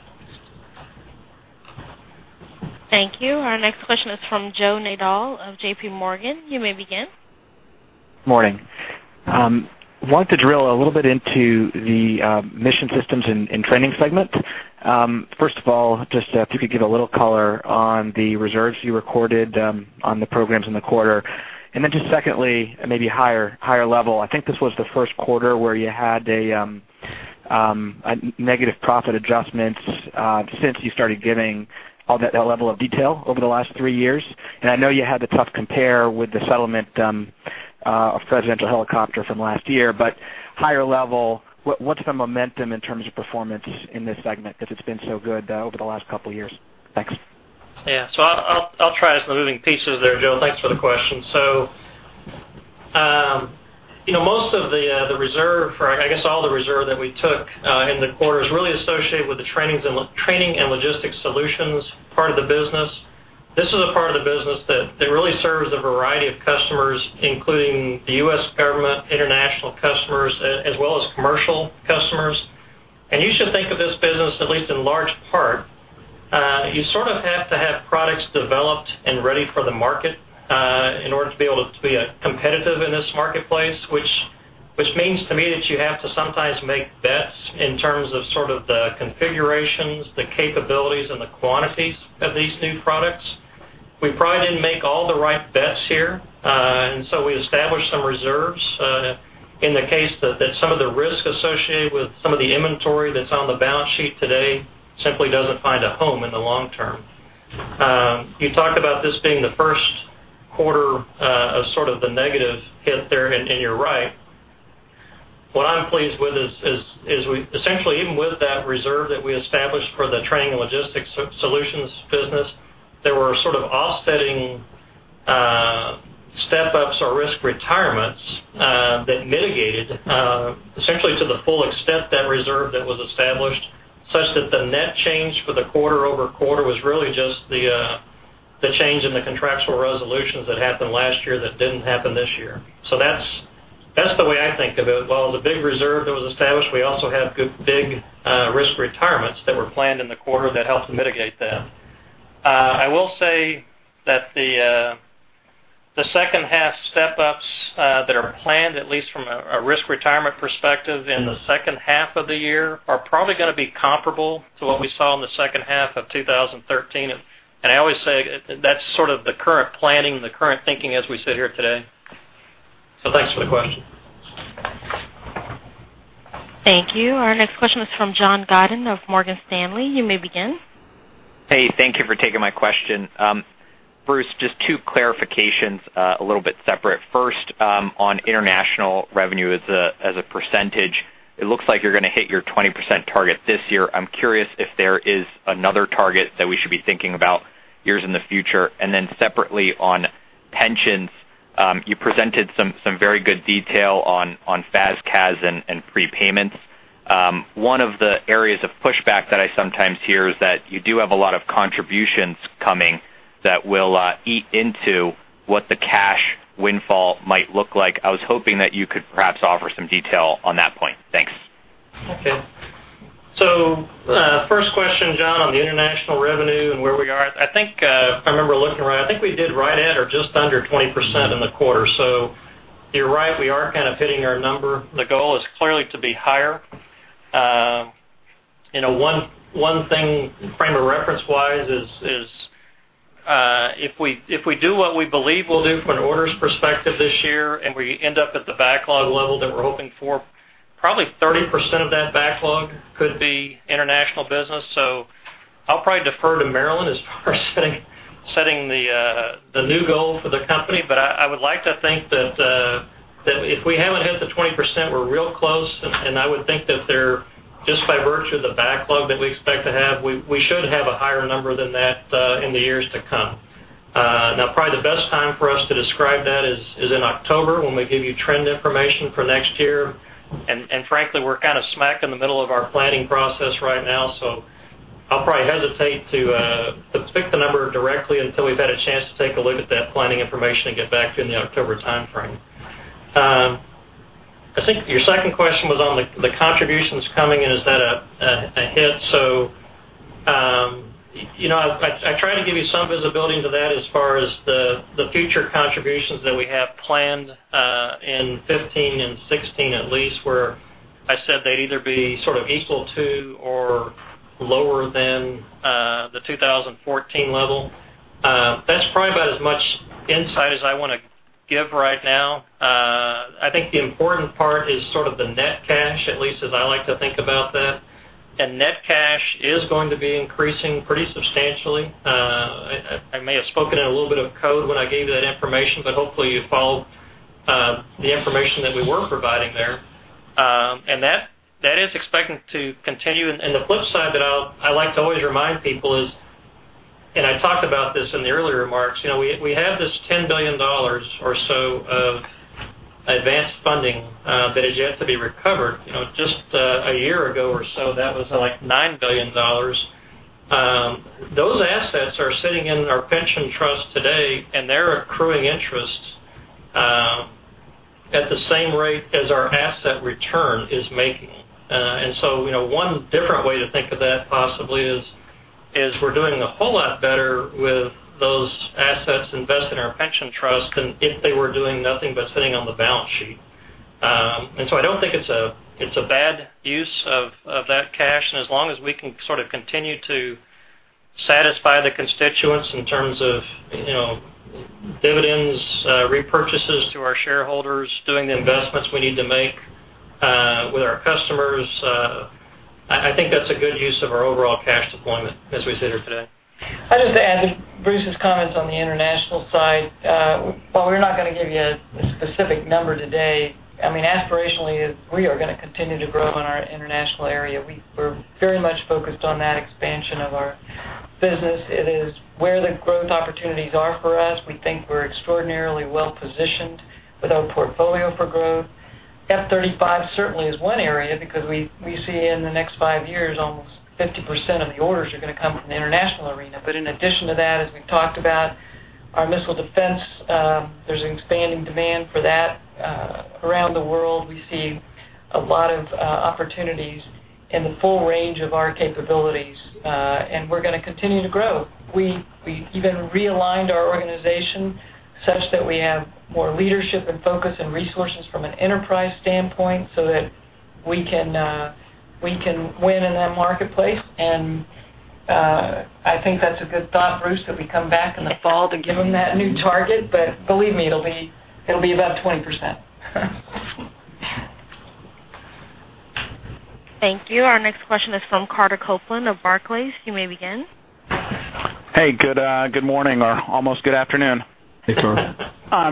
Thank you. Our next question is from Joe Nadol of JPMorgan. You may begin. Morning. Wanted to drill a little bit into the Mission Systems and Training segment. First of all, just if you could give a little color on the reserves you recorded on the programs in the quarter. Then just secondly, maybe higher level. I think this was the first quarter where you had a negative profit adjustment, since you started giving all that level of detail over the last three years. I know you had the tough compare with the settlement of Presidential Helicopter from last year, higher level, what's the momentum in terms of performance in this segment, because it's been so good over the last couple of years? Thanks. Yeah. I'll try as the moving pieces there, Joe. Thanks for the question. Most of the reserve, or I guess all the reserve that we took in the quarter is really associated with the training and logistics solutions part of the business. This is a part of the business that really serves a variety of customers, including the U.S. government, international customers, as well as commercial customers. You should think of this business, at least in large part, you sort of have to have products developed and ready for the market in order to be able to be competitive in this marketplace, which means to me that you have to sometimes make bets in terms of sort of the configurations, the capabilities, and the quantities of these new products. We probably didn't make all the right bets here. We established some reserves, in the case that some of the risk associated with some of the inventory that's on the balance sheet today simply doesn't find a home in the long term. You talk about this being the first quarter of sort of the negative hit there, you're right. What I'm pleased with is we, essentially, even with that reserve that we established for the training and logistics solutions business, there were sort of offsetting step-ups or risk retirements that mitigated, essentially to the full extent that reserve that was established, such that the net change for the quarter-over-quarter was really just the change in the contractual resolutions that happened last year that didn't happen this year. That's the way I think of it. While the big reserve that was established, we also have big risk retirements that were planned in the quarter that helped to mitigate that. I will say that the second half step-ups that are planned, at least from a risk retirement perspective in the second half of the year, are probably going to be comparable to what we saw in the second half of 2013. I always say that's sort of the current planning, the current thinking as we sit here today. Thanks for the question. Thank you. Our next question is from John Godyn of Morgan Stanley. You may begin. Hey, thank you for taking my question. Bruce, just two clarifications, a little bit separate. First, on international revenue as a percentage, it looks like you're going to hit your 20% target this year. I'm curious if there is another target that we should be thinking about years in the future. Separately on pensions, you presented some very good detail on FAS/CAS and prepayments. One of the areas of pushback that I sometimes hear is that you do have a lot of contributions coming that will eat into what the cash windfall might look like. I was hoping that you could perhaps offer some detail on that point. Thanks. Okay. First question, John, on the international revenue and where we are. I think I remember looking around, I think we did right at or just under 20% in the quarter. You're right, we are kind of hitting our number. The goal is clearly to be higher. One thing frame of reference-wise is, if we do what we believe we'll do from an orders perspective this year, we end up at the backlog level that we're hoping for, probably 30% of that backlog could be international business. I'll probably defer to Marillyn as far as setting the new goal for the company. I would like to think that if we haven't hit the 20%, we're real close, I would think that just by virtue of the backlog that we expect to have, we should have a higher number than that, in the years to come. Probably the best time for us to describe that is in October when we give you trend information for next year. Frankly, we're kind of smack in the middle of our planning process right now, so I'll probably hesitate to pick the number directly until we've had a chance to take a look at that planning information and get back to you in the October timeframe. I think your second question was on the contributions coming in, is that a hit? I tried to give you some visibility into that as far as the future contributions that we have planned, in 2015 and 2016 at least, where I said they'd either be sort of equal to or lower than the 2014 level. That's probably about as much insight as I want to give right now. I think the important part is sort of the net cash, at least as I like to think about that. Net cash is going to be increasing pretty substantially. I may have spoken in a little bit of code when I gave you that information, but hopefully you followed the information that we were providing there. That is expected to continue. The flip side that I like to always remind people is, I talked about this in the earlier remarks, we have this $10 billion or so of advanced funding that is yet to be recovered. Just a year ago or so, that was like $9 billion. Those assets are sitting in our pension trust today, they're accruing interest at the same rate as our asset return is making. One different way to think of that possibly is we're doing a whole lot better with those assets invested in our pension trust than if they were doing nothing but sitting on the balance sheet. I don't think it's a bad use of that cash. As long as we can sort of continue to satisfy the constituents in terms of dividends, repurchases to our shareholders, doing the investments we need to make with our customers, I think that's a good use of our overall cash deployment as we sit here today. I'll just add to Bruce's comments on the international side. While we're not going to give you a specific number today, aspirationally, we are going to continue to grow in our international area. We're very much focused on that expansion of our business. It is where the growth opportunities are for us. We think we're extraordinarily well-positioned with our portfolio for growth. F-35 certainly is one area because we see in the next 5 years, almost 50% of the orders are going to come from the international arena. In addition to that, as we've talked about our missile defense, there's an expanding demand for that around the world. We see a lot of opportunities in the full range of our capabilities. We're going to continue to grow. We even realigned our organization such that we have more leadership and focus and resources from an enterprise standpoint so that we can win in that marketplace. I think that's a good thought, Bruce, that we come back in the fall to give them that new target. Believe me, it'll be above 20%. Thank you. Our next question is from Carter Copeland of Barclays. You may begin. Hey, good morning. Almost good afternoon. Hey, Carter. I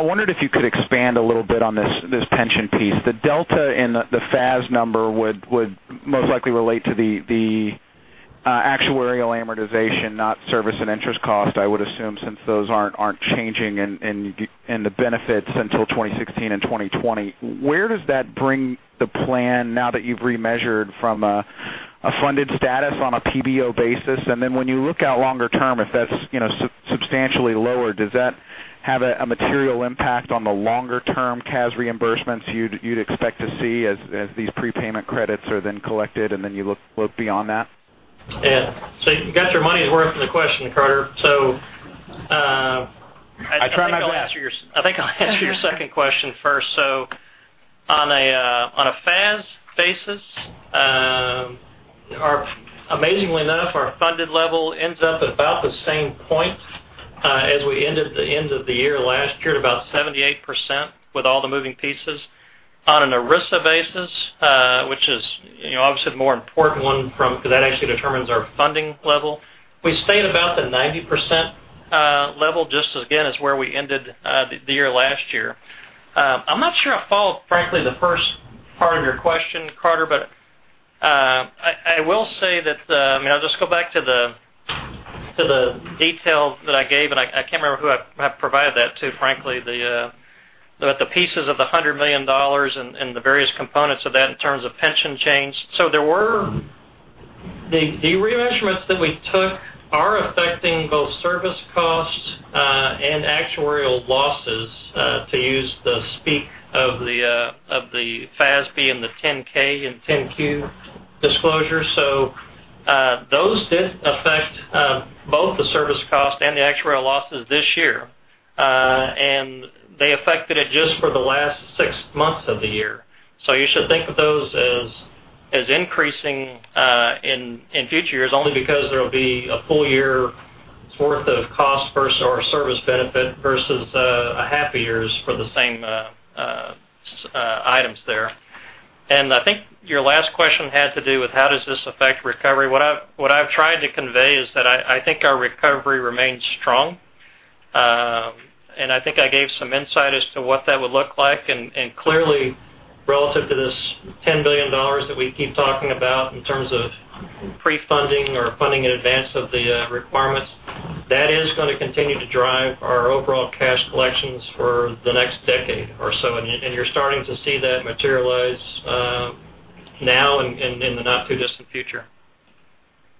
wondered if you could expand a little bit on this pension piece. The delta in the FAS number would most likely relate to the actuarial amortization, not service and interest cost, I would assume, since those aren't changing in the benefits until 2016 and 2020. Where does that bring the plan now that you've remeasured from a funded status on a PBO basis? And then when you look out longer term, if that's substantially lower, does that have a material impact on the longer-term CAS reimbursements you'd expect to see as these prepayment credits are then collected and then you look beyond that? Yeah. You got your money's worth in the question, Carter. I try my best I think I'll answer your second question first. On a FAS basis, amazingly enough, our funded level ends up at about the same point as we ended the end of the year last year, at about 78%, with all the moving pieces. On an ERISA basis, which is obviously the more important one because that actually determines our funding level, we stayed about the 90% level, just as, again, as where we ended the year last year. I'm not sure I follow, frankly, the first part of your question, Carter, I will say that, I'll just go back to the detail that I gave, and I can't remember who I provided that to, frankly, the pieces of the $100 million and the various components of that in terms of pension change. The remeasurements that we took are affecting both service costs and actuarial losses, to use the speak of the FASB and the 10-K and 10-Q disclosure. Those did affect both the service cost and the actuarial losses this year. They affected it just for the last six months of the year. You should think of those as increasing in future years only because there'll be a full year's worth of cost versus our service benefit versus a half a year's for the same items there. I think your last question had to do with how does this affect recovery. What I've tried to convey is that I think our recovery remains strong. I think I gave some insight as to what that would look like. Clearly, relative to this $10 billion that we keep talking about in terms of pre-funding or funding in advance of the requirements, that is going to continue to drive our overall cash collections for the next decade or so. You're starting to see that materialize now and in the not-too-distant future.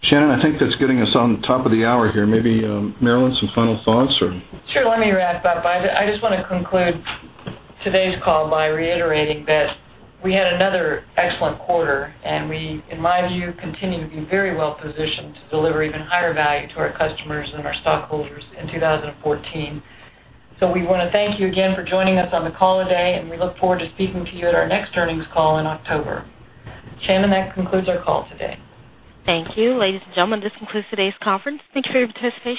Shannon, I think that's getting us on the top of the hour here. Maybe Marillyn, some final thoughts or? Sure. Let me wrap up. I just want to conclude today's call by reiterating that we had another excellent quarter, and we, in my view, continue to be very well-positioned to deliver even higher value to our customers and our stockholders in 2014. We want to thank you again for joining us on the call today, and we look forward to speaking to you at our next earnings call in October. Shannon, that concludes our call today. Thank you. Ladies and gentlemen, this concludes today's conference. Thank you for your participation.